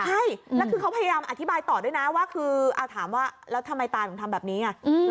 ใช่แล้วคือเขาพยายามอธิบายต่อด้วยนะว่าคือถามว่าแล้วทำไมตาถึงทำแบบนี้ไง